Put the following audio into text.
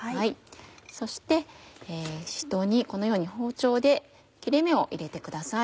そしてしし唐にこのように包丁で切れ目を入れてください。